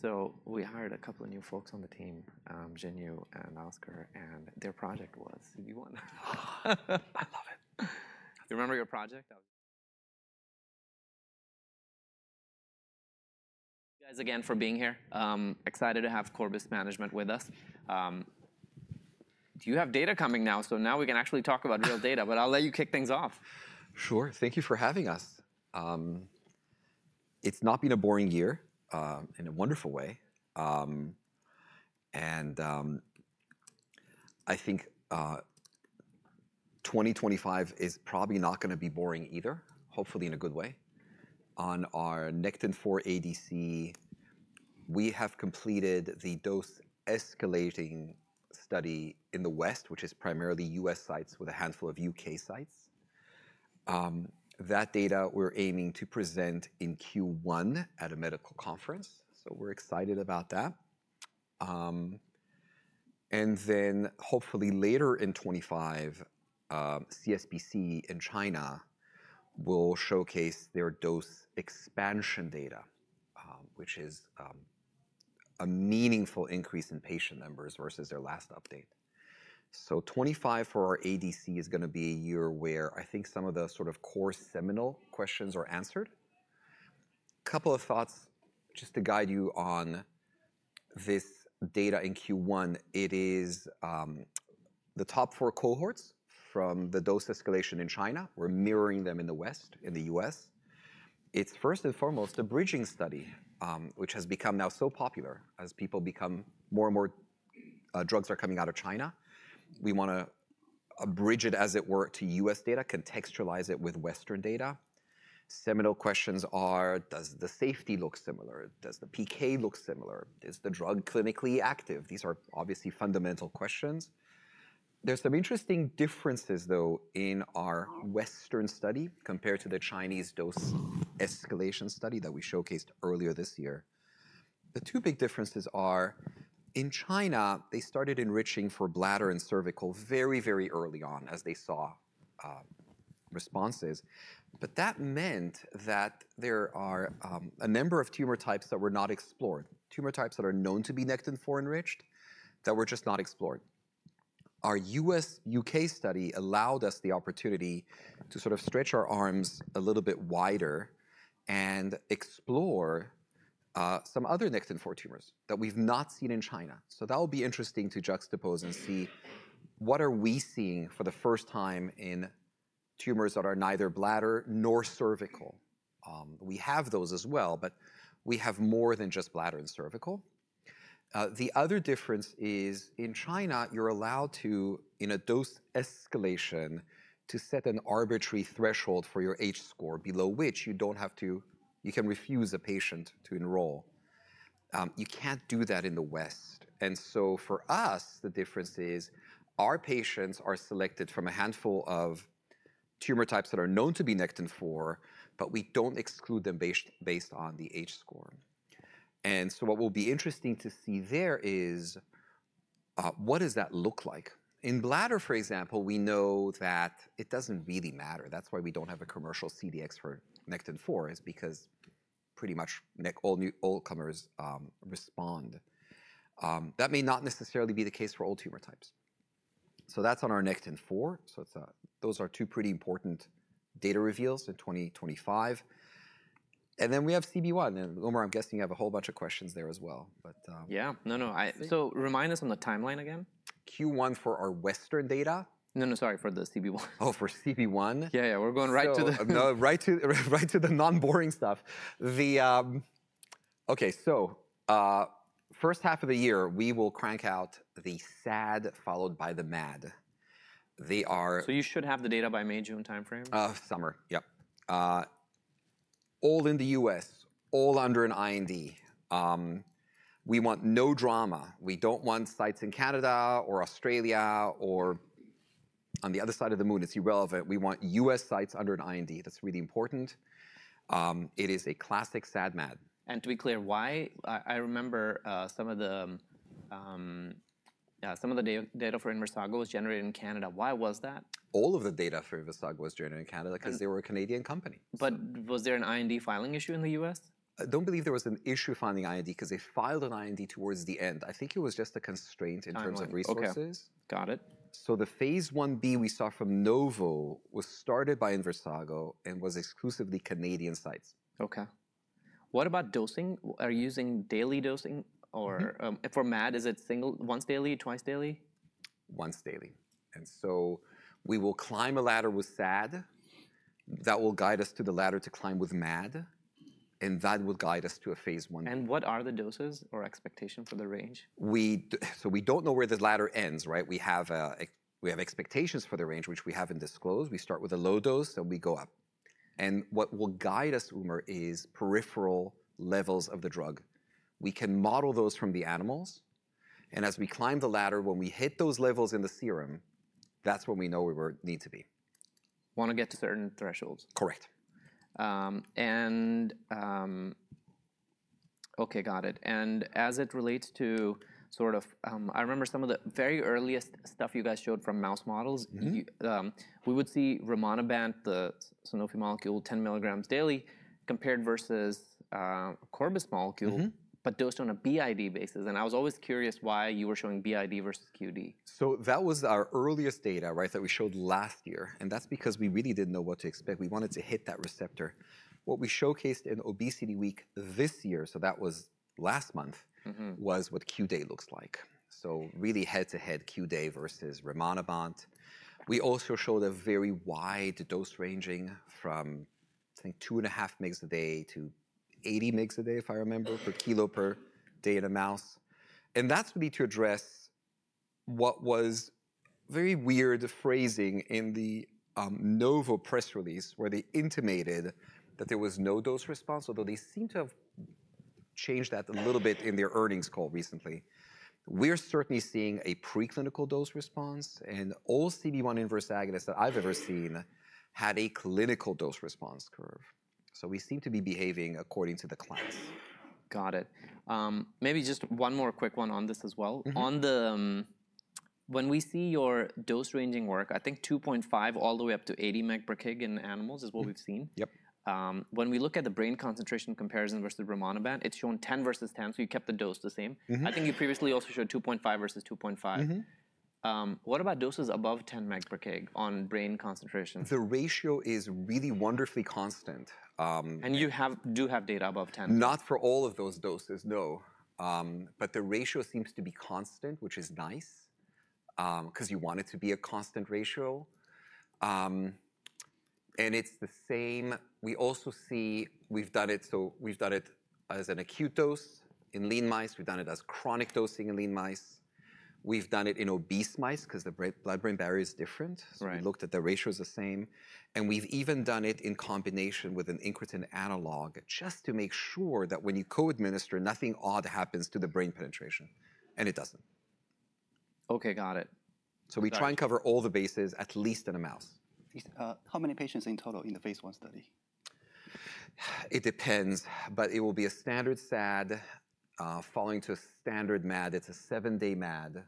So we hired a couple of new folks on the team, Jinyu and Oscar, and their project was. You won. I love it. Do you remember your project? Thank you guys again for being here. Excited to have Corbus management with us. Do you have data coming now? So now we can actually talk about real data, but I'll let you kick things off. Sure. Thank you for having us. It's not been a boring year, in a wonderful way. And, I think, 2025 is probably not going to be boring either, hopefully in a good way. On our Nectin-4 ADC, we have completed the dose-escalating study in the West, which is primarily U.S. sites with a handful of U.K. sites. That data we're aiming to present in Q1 at a medical conference, so we're excited about that. And then hopefully later in 2025, CSPC in China will showcase their dose expansion data, which is a meaningful increase in patient numbers versus their last update. So 2025 for our ADC is going to be a year where I think some of the sort of core seminal questions are answered. A couple of thoughts just to guide you on this data in Q1. It is the top four cohorts from the dose escalation in China. We're mirroring them in the West, in the U.S. It's first and foremost a bridging study, which has become now so popular as people become more and more, drugs are coming out of China. We want to bridge it, as it were, to U.S. data, contextualize it with Western data. Seminal questions are: Does the safety look similar? Does the PK look similar? Is the drug clinically active? These are obviously fundamental questions. There's some interesting differences, though, in our Western study compared to the Chinese dose escalation study that we showcased earlier this year. The two big differences are in China, they started enriching for bladder and cervical very, very early on as they saw responses. But that meant that there are a number of tumor types that were not explored, tumor types that are known to be Nectin-4 enriched that were just not explored. Our U.S.-U.K. study allowed us the opportunity to sort of stretch our arms a little bit wider and explore some other Nectin-4 tumors that we've not seen in China. So that will be interesting to juxtapose and see what are we seeing for the first time in tumors that are neither bladder nor cervical. We have those as well, but we have more than just bladder and cervical. The other difference is in China, you're allowed to, in a dose escalation, to set an arbitrary threshold for your H-score below which you don't have to, you can refuse a patient to enroll. You can't do that in the West. For us, the difference is our patients are selected from a handful of tumor types that are known to be Nectin-4, but we don't exclude them based on the H-score. What will be interesting to see there is, what does that look like? In bladder, for example, we know that it doesn't really matter. That's why we don't have a commercial CDx for Nectin-4, is because pretty much all comers respond. That may not necessarily be the case for all tumor types. That's on our Nectin-4. Those are two pretty important data reveals in 2025. Then we have CB1. Omar, I'm guessing you have a whole bunch of questions there as well, but. Yeah. No, no. So remind us on the timeline again. Q1 for our Western data? No, no, sorry, for the CB1. Oh, for CB1? Yeah, yeah. We're going right to the. No, right to the non-boring stuff. First half of the year, we will crank out the SAD followed by the MAD. They are. So you should have the data by May, June timeframe? Summer. Yep. All in the U.S., all under an IND. We want no drama. We don't want sites in Canada or Australia or on the other side of the moon. It's irrelevant. We want U.S. sites under an IND. That's really important. It is a classic SAD/MAD. To be clear, why? I remember some of the data for Inversago was generated in Canada. Why was that? All of the data for Inversago was generated in Canada because they were a Canadian company. But was there an IND filing issue in the U.S.? I don't believe there was an issue filing IND because they filed an IND towards the end. I think it was just a constraint in terms of resources. Okay. Got it. The phase I-B we saw from Novo was started by Inversago and was exclusively Canadian sites. Okay. What about dosing? Are you using daily dosing or, for MAD, is it single once daily, twice daily? Once daily, and so we will climb a ladder with SAD that will guide us to the ladder to climb with MAD, and that will guide us to a phase I. What are the doses or expectations for the range? We do, so we don't know where this ladder ends, right? We have expectations for the range, which we haven't disclosed. We start with a low dose and we go up. And what will guide us, Omar, is peripheral levels of the drug. We can model those from the animals. And as we climb the ladder, when we hit those levels in the serum, that's when we know where we need to be. Want to get to certain thresholds. Correct. And, okay, got it. And as it relates to sort of, I remember some of the very earliest stuff you guys showed from mouse models. Mm-hmm. We would see rimonabant, the Sanofi molecule, 10 mg daily compared versus Corbus molecule, but dosed on a BID basis. And I was always curious why you were showing BID versus QD. That was our earliest data, right, that we showed last year. And that's because we really didn't know what to expect. We wanted to hit that receptor. What we showcased in ObesityWeek this year, so that was last month, was what QD looks like. So really head to head QD versus rimonabant. We also showed a very wide dose ranging from, I think, 2.5 mg a day to 80 mg a day, if I remember, per kg per day in a mouse. And that's really to address what was very weird phrasing in the Novo press release where they intimated that there was no dose response, although they seem to have changed that a little bit in their earnings call recently. We're certainly seeing a preclinical dose response, and all CB1 inverse agonists that I've ever seen had a clinical dose response curve. We seem to be behaving according to the class. Got it. Maybe just one more quick one on this as well. On the, when we see your dose ranging work, I think 2.5 mg/kg all the way up to 80 mg/kg in animals is what we've seen. Yep. When we look at the brain concentration comparison versus rimonabant, it's shown 10 mg/kg versus 10 mg/kg, so you kept the dose the same. I think you previously also showed 2.5 mg/kg versus 2.5 mg/kg. What about doses above 10 mg/kg on brain concentration? The ratio is really wonderfully constant. You do have data above 10 mg/kg. Not for all of those doses, no, but the ratio seems to be constant, which is nice, because you want it to be a constant ratio, and it's the same. We also see we've done it, so we've done it as an acute dose in lean mice. We've done it as chronic dosing in lean mice. We've done it in obese mice because the blood-brain barrier is different, so we looked at the ratios the same, and we've even done it in combination with an incretin analog just to make sure that when you co-administer, nothing odd happens to the brain penetration, and it doesn't. Okay, got it. So we try and cover all the bases, at least in a mouse. How many patients in total in the phase I study? It depends, but it will be a standard SAD, followed by a standard MAD. It's a seven-day MAD.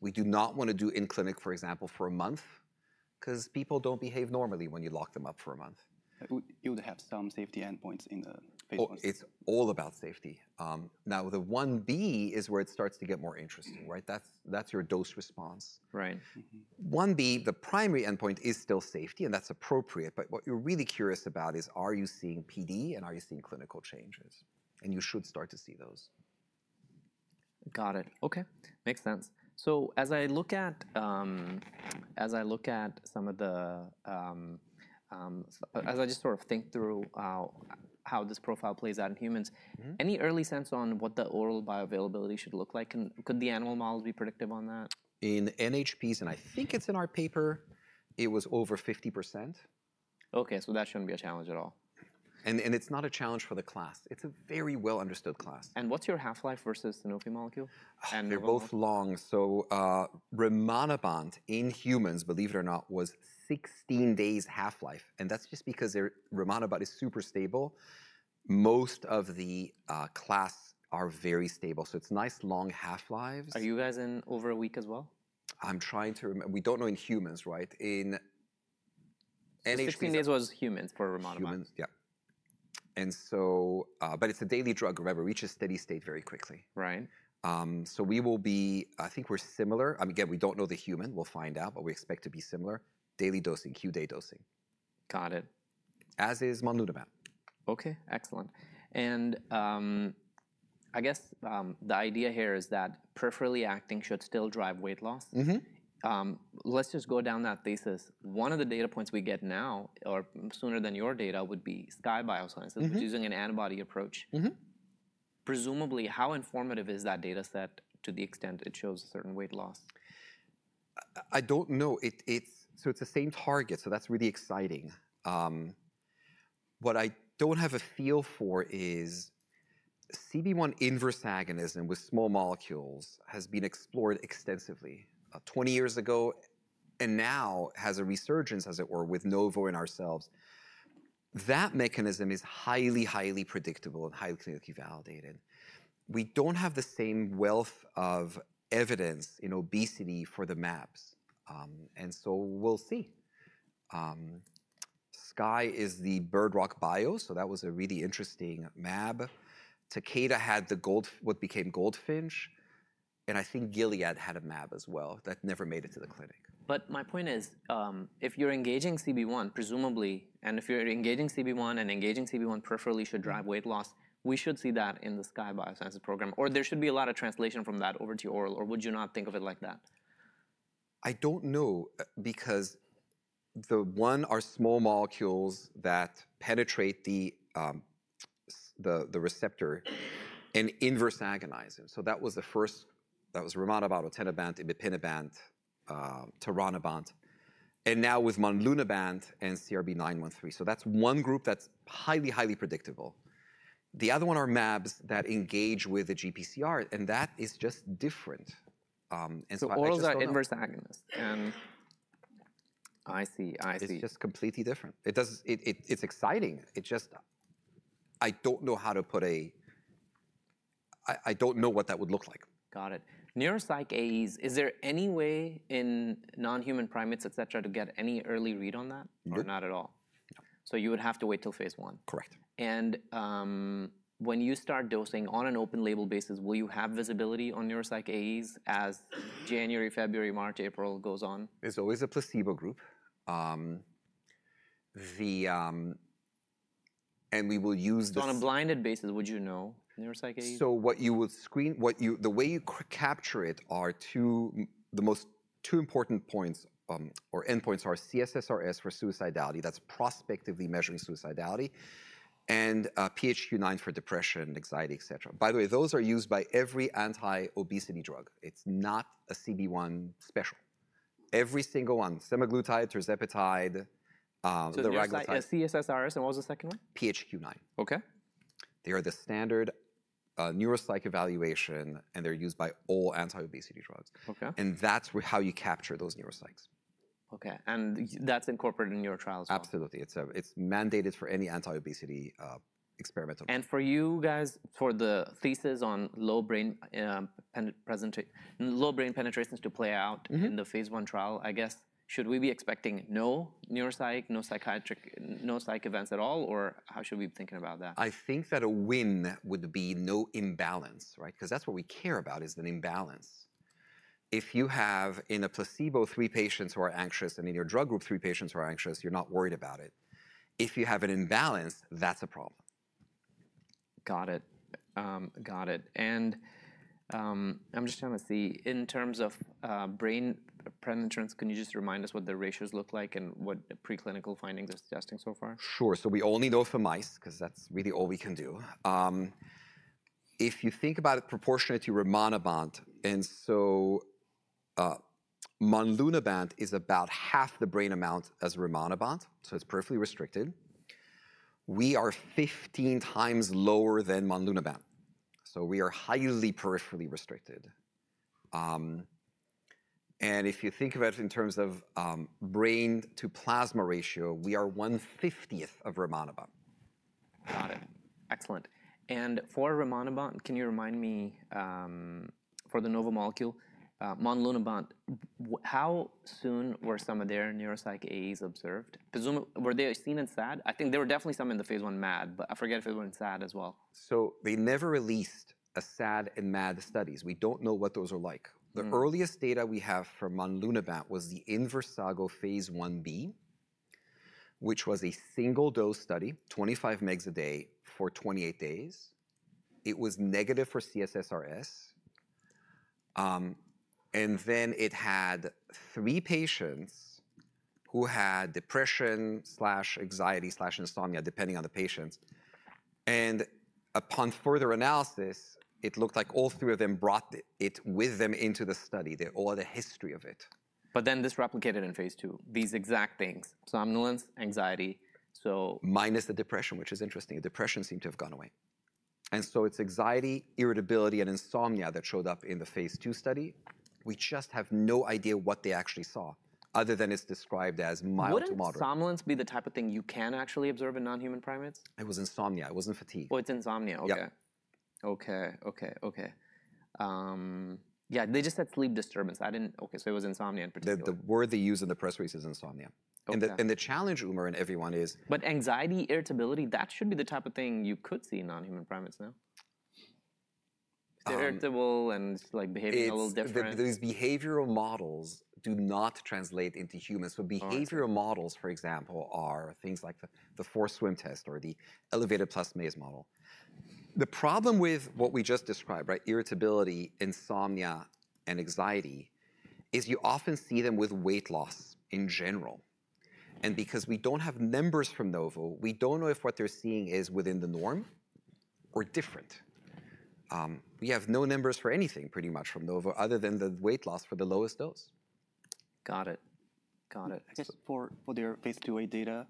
We do not want to do in clinic, for example, for a month because people don't behave normally when you lock them up for a month. You would have some safety endpoints in the phase I. Oh, it's all about safety. Now the I-B is where it starts to get more interesting, right? That's, that's your dose response. Right. I-B, the primary endpoint is still safety, and that's appropriate. But what you're really curious about is, are you seeing PD and are you seeing clinical changes? And you should start to see those. Got it. Okay. Makes sense. So as I look at some of the, I just sort of think through how this profile plays out in humans, any early sense on what the oral bioavailability should look like? And could the animal models be predictive on that? In NHPs, and I think it's in our paper, it was over 50%. Okay, so that shouldn't be a challenge at all. It's not a challenge for the class. It's a very well-understood class. What's your half-life versus Sanofi molecule? They're both long. Rimonabant in humans, believe it or not, was 16 days half-life. That's just because their rimonabant is super stable. Most of the class are very stable. It's nice long half-lives. Are you guys in over a week as well? I'm trying to remember. We don't know in humans, right? In NHPs. 16 days was humans for rimonabant. Humans, yeah. And so, but it's a daily drug, remember, reaches steady state very quickly. Right. So we will be, I think we're similar. I mean, again, we don't know the human. We'll find out, but we expect to be similar. Daily dosing, QD dosing. Got it. As is monlunabant. Okay. Excellent. And, I guess, the idea here is that peripherally acting should still drive weight loss. Mm-hmm. Let's just go down that thesis. One of the data points we get now, or sooner than your data, would be Skye Bioscience. It's using an antibody approach. Presumably, how informative is that data set to the extent it shows a certain weight loss? I don't know. It, so it's the same target, so that's really exciting. What I don't have a feel for is CB1 inverse agonism with small molecules has been explored extensively 20 years ago and now has a resurgence, as it were, with Novo and ourselves. That mechanism is highly, highly predictable and highly clinically validated. We don't have the same wealth of evidence in obesity for the mAbs, and so we'll see. Skye is the Bird Rock Bio. So that was a really interesting mAb. Takeda had the Goldfinch, what became Goldfinch, and I think Gilead had a mAb as well that never made it to the clinic. But my point is, if you're engaging CB1, presumably, and if you're engaging CB1 and engaging CB1 peripherally should drive weight loss, we should see that in the Skye Bioscience program, or there should be a lot of translation from that over to oral, or would you not think of it like that? I don't know because the one are small molecules that penetrate the receptor and inverse agonize them. So that was the first, that was rimonabant, otenabant, ibipinabant, taranabant, and now with monlunabant and CRB-913. So that's one group that's highly, highly predictable. The other one are mAbs that engage with the GPCR, and that is just different. And so I think. Orals are inverse agonists. I see, I see. It's just completely different. It does, it's exciting. It just, I don't know how to put a, I don't know what that would look like. Got it. Neuropsych AEs, is there any way in non-human primates, etc., to get any early read on that? No. Or not at all? No. You would have to wait till phase I. Correct. When you start dosing on an open label basis, will you have visibility on neuropsych AEs as January, February, March, April goes on? It's always a placebo group, and we will use this. So on a blinded basis, would you know neuropsych AEs? The way you capture it, the two most important endpoints are C-SSRS for suicidality. That's prospectively measuring suicidality. And PHQ-9 for depression, anxiety, etc. By the way, those are used by every anti-obesity drug. It's not a CB1 special. Every single one, semaglutide, tirzepatide, liraglutide. So, C-SSRS and what was the second one? PHQ-9. Okay. They are the standard neuropsych evaluation, and they're used by all anti-obesity drugs. Okay. That's how you capture those neuropsychs. Okay. And that's incorporated in your trials? Absolutely. It's mandated for any anti-obesity experimental. For you guys, for the thesis on low brain penetration to play out in the phase I trial, I guess, should we be expecting no neuropsych, no psychiatric, no psych events at all, or how should we be thinking about that? I think that a win would be no imbalance, right? Because that's what we care about is an imbalance. If you have in a placebo three patients who are anxious and in your drug group three patients who are anxious, you're not worried about it. If you have an imbalance, that's a problem. Got it. Got it. And, I'm just trying to see in terms of brain penetration, can you just remind us what the ratios look like and what preclinical findings are suggesting so far? Sure. So we only know for mice because that's really all we can do. If you think about it proportionate to rimonabant, and so, monlunabant is about half the brain amount as rimonabant, so it's peripherally restricted. We are 15x lower than monlunabant. So we are highly peripherally restricted. And if you think about it in terms of brain to plasma ratio, we are 1/15 of rimonabant. Got it. Excellent. And for rimonabant, can you remind me, for the Novo molecule, monlunabant, how soon were some of their neuropsych AEs observed? Presumably, were they seen in SAD? I think there were definitely some in the phase I MAD, but I forget if they were in SAD as well. So they never released a SAD and MAD studies. We don't know what those are like. The earliest data we have for monlunabant was the Inversago phase I-B, which was a single dose study, 25 mg a day for 28 days. It was negative for C-SSRS. And then it had three patients who had depression slash anxiety slash insomnia, depending on the patients. And upon further analysis, it looked like all three of them brought it with them into the study, all the history of it. But then this replicated in phase II, these exact things, so somnolence, anxiety, so. Minus the depression, which is interesting. The depression seemed to have gone away. And so it's anxiety, irritability, and insomnia that showed up in the phase II study. We just have no idea what they actually saw other than it's described as mild to moderate. Wouldn't somnolence be the type of thing you can actually observe in non-human primates? It was insomnia. It wasn't fatigue. Oh, it's insomnia. Okay. Yeah. Okay, okay, okay. Yeah, they just said sleep disturbance. I didn't, okay, so it was insomnia in particular. The word they use in the press release is insomnia. And the challenge Omar in everyone is. But anxiety, irritability, that should be the type of thing you could see in non-human primates now. They're irritable and, like, behaviorally different. These behavioral models do not translate into humans, so behavioral models, for example, are things like the forced swim test or the elevated plus maze model. The problem with what we just described, right, irritability, insomnia, and anxiety, is you often see them with weight loss in general, and because we don't have numbers from Novo, we don't know if what they're seeing is within the norm or different. We have no numbers for anything pretty much from Novo other than the weight loss for the lowest dose. Got it. I guess for their phase II-A data,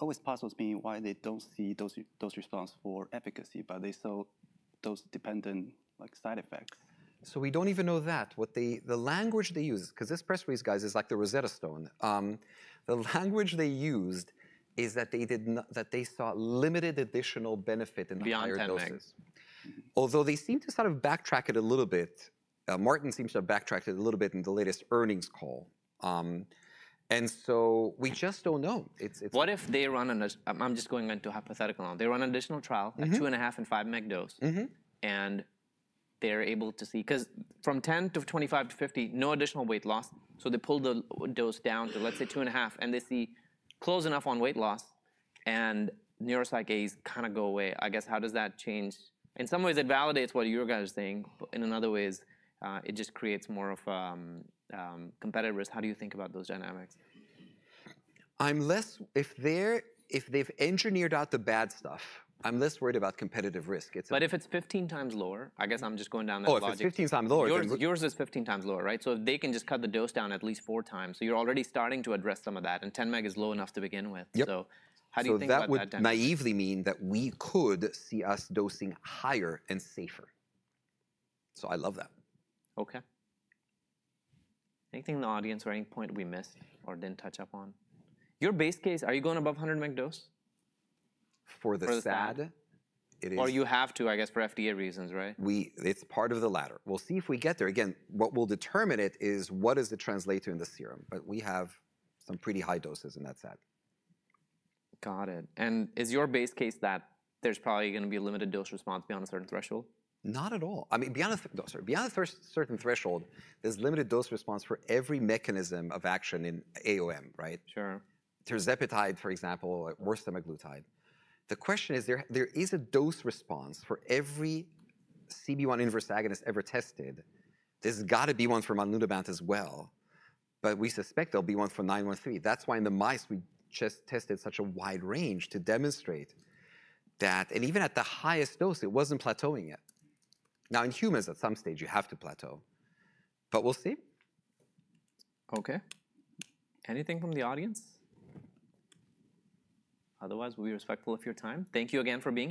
always puzzles me why they don't see those response for efficacy, but they saw those dose-dependent side effects. So we don't even know that. What they, the language they use, because this press release, guys, is like the Rosetta Stone. The language they used is that they did not, that they saw limited additional benefit in higher doses. Although they seem to sort of backtrack it a little bit. Martin seems to have backtracked it a little bit in the latest earnings call, and so we just don't know. It's, it's. What if they run an additional trial? I'm just going into a hypothetical now. They run an additional trial at two and a half and five mcg dose, and they're able to see, because from 10 mg to 25 mg to 50 mg, no additional weight loss. So they pull the dose down to, let's say, 2.5 mg, and they see close enough on weight loss, and neuropsych AEs kind of go away. I guess, how does that change? In some ways, it validates what you guys are saying. In other ways, it just creates more of a competitive risk. How do you think about those dynamics? I'm less, if they've engineered out the bad stuff, I'm less worried about competitive risk. But if it's 15x lower, I guess I'm just going down this logic. Oh, if it's 15x lower. Yours is 15x lower, right? So if they can just cut the dose down at least 4x, so you're already starting to address some of that, and 10 mg is low enough to begin with. So how do you think that? So that would naively mean that we could see us dosing higher and safer. So I love that. Okay. Anything in the audience or any point we missed or didn't touch up on? Your base case, are you going above 100 mg dose? For the SAD, it is. Or you have to, I guess, for FDA reasons, right? Well, it's part of the ladder. We'll see if we get there. Again, what will determine it is what does it translate to in the serum, but we have some pretty high doses in that SAD. Got it. And is your base case that there's probably going to be a limited dose response beyond a certain threshold? Not at all. I mean, beyond a certain threshold, there's limited dose response for every mechanism of action in AOM, right? Sure. Tirzepatide, for example, or semaglutide. The question is there, there is a dose response for every CB1 inverse agonist ever tested. There's got to be one for monlunabant as well, but we suspect there'll be one for 913. That's why in the mice, we just tested such a wide range to demonstrate that, and even at the highest dose, it wasn't plateauing yet. Now in humans, at some stage, you have to plateau, but we'll see. Okay. Anything from the audience? Otherwise, we'll be respectful of your time. Thank you again for being.